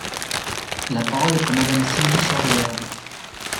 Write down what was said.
La parole est à Madame Sylvie Charrière.